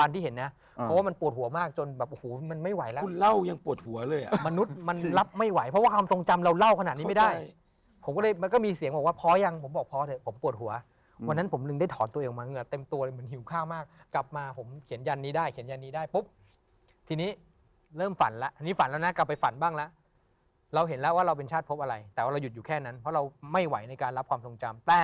อันนี้ไม่ได้ผมก็เลยมันก็มีเสียงบอกว่าพอยังผมบอกพอเถอะผมปวดหัววันนั้นผมหนึ่งได้ถอนตัวเองออกมาเหงื่อเต็มตัวเลยเหมือนหิวข้าวมากกลับมาผมเขียนยันนี้ได้เขียนยันนี้ได้ปุ๊บทีนี้เริ่มฝันแล้วอันนี้ฝันแล้วนะกลับไปฝันบ้างแล้วเราเห็นแล้วว่าเราเป็นชาติพบอะไรแต่ว่าเราหยุดอยู่แค่นั้นเพราะเราไม่ไหวในการรับความทรงจำแต่